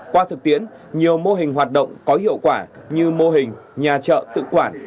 qua thực tiễn nhiều mô hình hoạt động có hiệu quả như mô hình nhà trợ tự quản